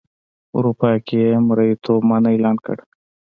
اروپا کې یې مریتوب منع اعلان کړ.